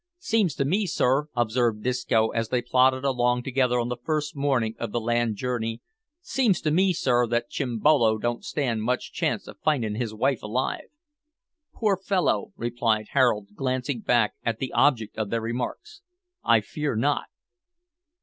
"Seems to me, sir," observed Disco, as they plodded along together on the first morning of the land journey "seems to me, sir, that Chimbolo don't stand much chance of findin' his wife alive." "Poor fellow," replied Harold, glancing back at the object of their remarks, "I fear not."